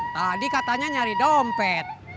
tadi katanya cari dompet